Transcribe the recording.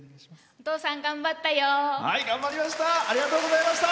お父さん、頑張ったよ！